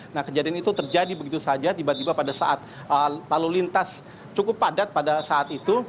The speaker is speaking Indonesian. nah kejadian itu terjadi begitu saja tiba tiba pada saat lalu lintas cukup padat pada saat itu